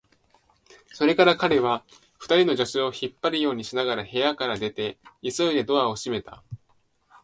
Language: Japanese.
それから彼は、二人の助手を引っ張るようにしながら部屋から出て、急いでドアを閉めた。